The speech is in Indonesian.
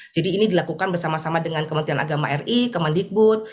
jadi ini dilakukan bersama sama dengan kementerian agama ri kemandikbud